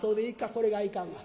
これがいかんわな。